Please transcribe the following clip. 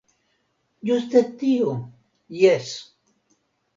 Ĝuste tio, jes!